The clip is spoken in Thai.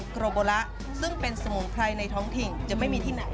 โกโบละซึ่งเป็นสมุนไพรในท้องถิ่นจะไม่มีที่ไหน